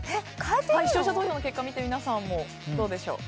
視聴者投票の結果を見て皆さんもどうでしょう？